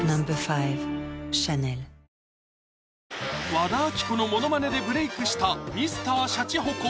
和田アキ子のモノマネでブレークしたＭｒ．シャチホコ